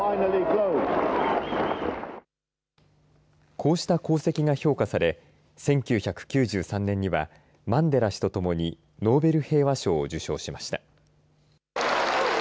こうした功績が評価され１９９３年にはマンデラ氏とともにノーベル平和賞を受賞しました。